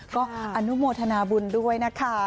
ก็อนุโมทนาบุญด้วยนะคะ